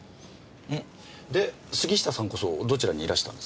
で杉下さんこそどちらにいらしたんですか？